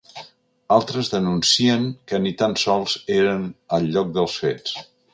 Altres denuncien que ni tan sols eren al lloc dels fets.